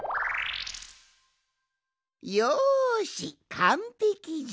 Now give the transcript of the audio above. よしかんぺきじゃ！